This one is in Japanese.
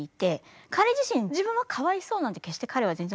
彼自身自分はかわいそうなんて決して彼は全然思ってなくて。